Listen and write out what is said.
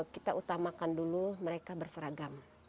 kita utamakan dulu mereka berseragam